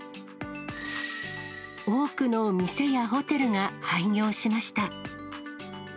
多くの店やホテルが廃業しました。